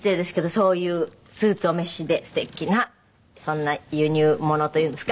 そういうスーツをお召しですてきなそんな輸入ものというんですか？